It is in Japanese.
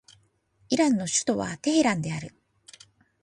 イランの首都はテヘランである